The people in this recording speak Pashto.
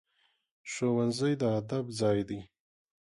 ښوونځی د ادب ځای دی